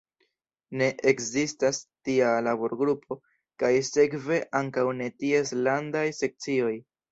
Ne ekzistas tia laborgrupo kaj sekve ankaŭ ne ties landaj sekcioj.